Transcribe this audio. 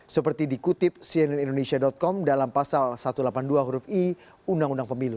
seperti dikutip cnn indonesia com dalam pasal satu ratus delapan puluh dua huruf i undang undang pemilu